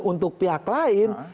untuk pihak lain